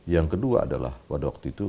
yang kedua adalah pada waktu itu